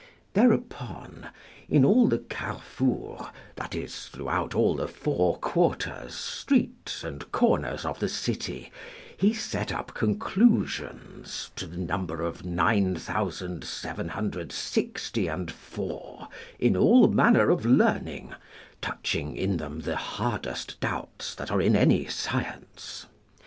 Thereupon, in all the carrefours, that is, throughout all the four quarters, streets, and corners of the city, he set up conclusions to the number of nine thousand seven hundred sixty and four, in all manner of learning, touching in them the hardest doubts that are in any science.